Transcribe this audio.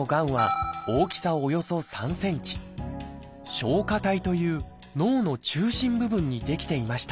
「松果体」という脳の中心部分に出来ていました。